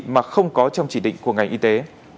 mà không có trong chỉ định của ngành y tế